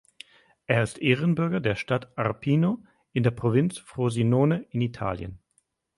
Er ist Ehrenbürger der Stadt Arpino in der Provinz Frosinone in Italien.